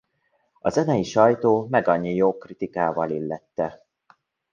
A zenei sajtó megannyi jó kritikával illette.